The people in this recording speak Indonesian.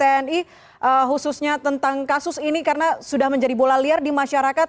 kami berharap bahwa khususnya tentang kasus ini karena sudah menjadi bola liar di masyarakat